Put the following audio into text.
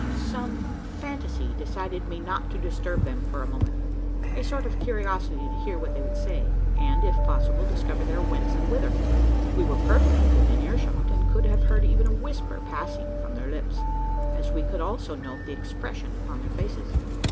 Some fantasy decided me not to disturb them for a moment a sort of curiosity to hear what they would say, and, if possible, discover their whence and whither. We were perfectly within earshot; and could have heard even a whisper passing from their lips as we could also note the expression upon their faces.